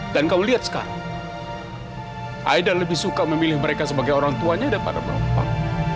dan kau lihat sekarang aida lebih suka memilih mereka sebagai orang tuanya daripada bantuan